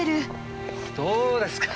どうですか？